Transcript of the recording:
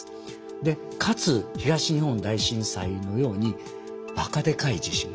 でかつ東日本大震災のようにばかでかい地震なんです。